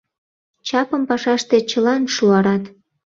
Чапым пашаште чылан шуарат.